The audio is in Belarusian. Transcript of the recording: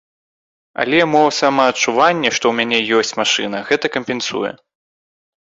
Але мо самаадчуванне, што ў мяне ёсць машына, гэта кампенсуе.